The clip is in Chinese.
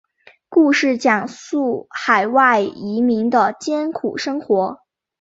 故事讲述海外移民的艰苦生活。